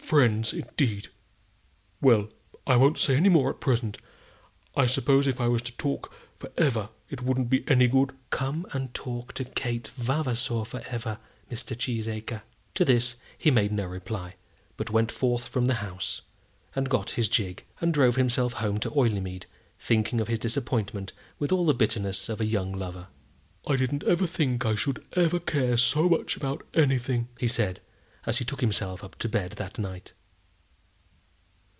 "Friends, indeed! Well, I won't say any more at present. I suppose if I was to talk for ever it wouldn't be any good?" "Come and talk to Kate Vavasor for ever, Mr. Cheesacre." To this he made no reply, but went forth from the house, and got his gig, and drove himself home to Oileymead, thinking of his disappointment with all the bitterness of a young lover. "I didn't ever think I should ever care so much about anything," he said, as he took himself up to bed that night.